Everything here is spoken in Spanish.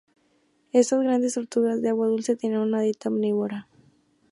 Estas grandes tortugas de agua dulce tenían una dieta omnívora.